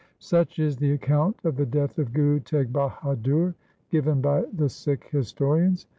Such is the account of the death of Guru Teg Bahadur given by the Sikh historians.